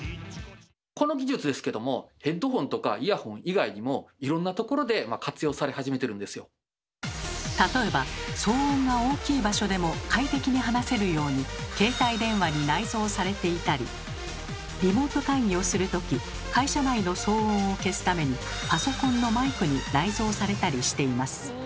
この技術ですけども例えば騒音が大きい場所でも快適に話せるように携帯電話に内蔵されていたりリモート会議をするとき会社内の騒音を消すためにパソコンのマイクに内蔵されたりしています。